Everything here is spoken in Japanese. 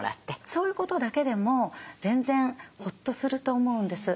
そういうことだけでも全然ほっとすると思うんです。